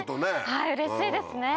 はいうれしいですね。